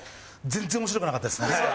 全然面白くなかったですね。